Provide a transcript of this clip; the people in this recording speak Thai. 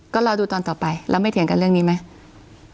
ก็รอดูตอนต่อไปแล้วไม่เถียงกันเรื่องนี้ไหม